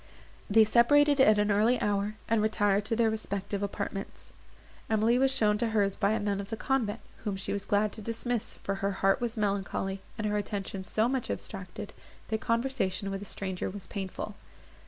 They separated at an early hour, and retired to their respective apartments. Emily was shown to hers by a nun of the convent, whom she was glad to dismiss, for her heart was melancholy, and her attention so much abstracted, that conversation with a stranger was painful.